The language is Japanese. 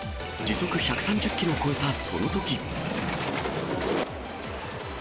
時速１３０キロを超えたそのとき。